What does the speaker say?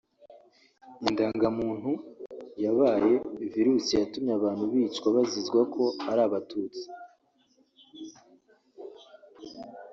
Indangamuntu yabaye virusi yatumye abantu bicwa bazizwa ko ari abatutsi